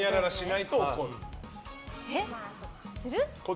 えっ、する？